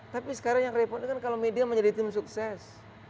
tapi sekarang yang repot itu kan kalau media menjadi tim sukses